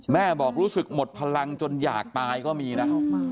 แม่บอกรู้สึกหมดพลังจนอยากตายก็มีนะ